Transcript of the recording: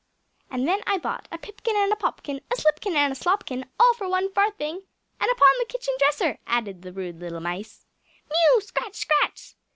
"And then I bought A pipkin and a popkin, A slipkin and a slopkin, All for one farthing and upon the kitchen dresser!" added the rude little mice. "Mew! scratch! scratch!"